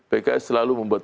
pks selalu membuat